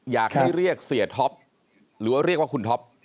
อยากให้เรียกเสียท็อปหรือว่าเรียกว่าคุณท็อป